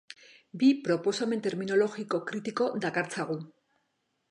Bi proposamen terminologiko kritiko dakartzagu.